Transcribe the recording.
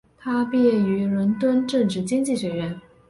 他毕业于伦敦政治经济学院。